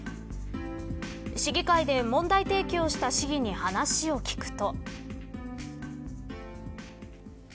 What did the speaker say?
市議会で問題提起をした市議に話を聞くと。